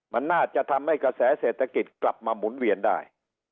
มันน่าจะทำให้กระแสเศรษฐกิจกลับมาหมุนเวียนได้